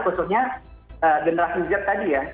khususnya generasi z tadi ya